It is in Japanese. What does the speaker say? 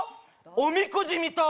おみくじみたい。